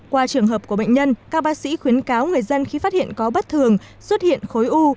qua trường hợp của bệnh nhân các bác sĩ khuyến cáo người dân khi phát hiện có bất thường xuất hiện khối u